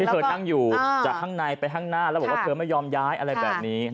เธอนั่งอยู่จากข้างในไปข้างหน้าแล้วบอกว่าเธอไม่ยอมย้ายอะไรแบบนี้